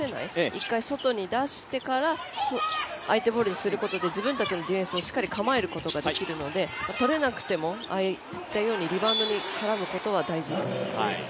１回外に出してから相手ボールにすることで自分たちのディフェンスをしっかり構えることができるのでとれなくても、ああいったようにリバウンドに絡むことは大切です。